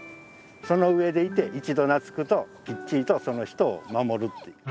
その上でいて一度懐くときっちりとその人を守るっていう。